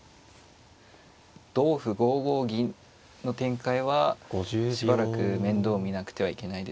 同歩５五銀の展開はしばらく面倒を見なくてはいけないですし。